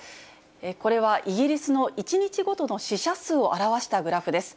これはイギリスの１日ごとの死者数を表したグラフです。